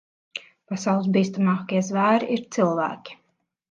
Pasaules bīstamākie zvēri ir cilvēki.